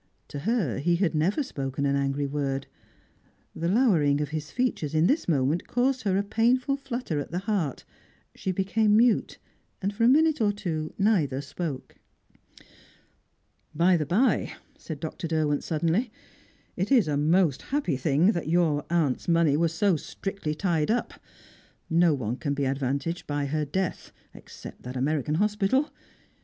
To her he had never spoken an angry word. The lowering of his features in this moment caused her a painful flutter at the heart; she became mute, and for a minute or two neither spoke. "By the bye," said Dr. Derwent suddenly, "it is a most happy thing that your aunt's money was so strictly tied up. No one can be advantaged by her death except that American hospital.